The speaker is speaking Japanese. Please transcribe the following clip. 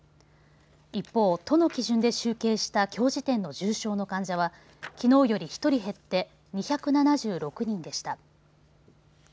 一方、都の基準で集計したきょう時点の重症の患者はきのうより１人減って２７６人でした。